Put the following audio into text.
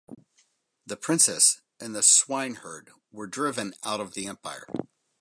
The princess and the swineherd were driven out of the empire.